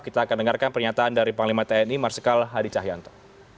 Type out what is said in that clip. kita akan dengarkan pernyataan dari panglima tni marsikal hadi cahyanto